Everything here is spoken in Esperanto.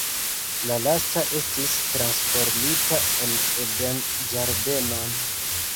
La lasta estis transformita en eden-ĝardenon.